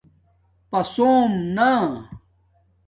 پسُوم نݴ